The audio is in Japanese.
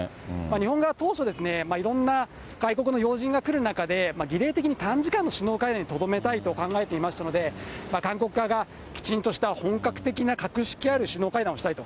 日本側は当初、いろんな外国の要人が来る中で、儀礼的に、短時間の首脳会談にとどめたいと考えていましたので、韓国側がきちんとした本格的な格式ある首脳会談をしたいと、